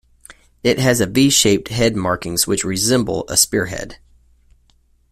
It has V-shaped head markings which resemble a spearhead.